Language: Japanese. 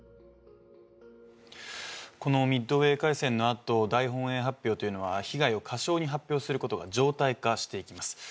このミッドウェー海戦のあと大本営発表というのは被害を過小に発表することが常態化していきます